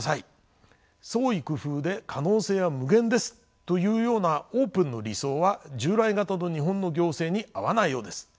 「創意工夫で可能性は無限です」というようなオープンの理想は従来型の日本の行政に合わないようです。